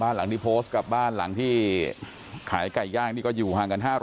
บ้านหลังที่โพสต์กับบ้านหลังที่ขายไก่ย่างนี้ก็อยู่ห่างกัน๕๐๐เมตรนะครับ